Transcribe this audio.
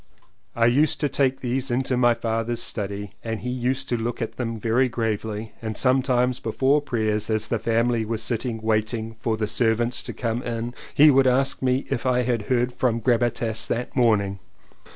I used to take these into my father's study and he used to look them over very gravely and sometimes before prayers as the family were sitting waiting for the servants to come in he would ask me if I had heard from Gabbitas that morning.